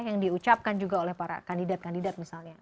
yang diucapkan juga oleh para kandidat kandidat misalnya